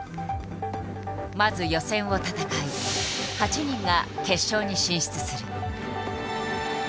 まず予選を戦い８人が決勝に進出する。